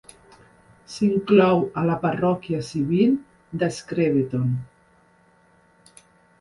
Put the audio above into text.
S'inclou a la parròquia civil de Screveton.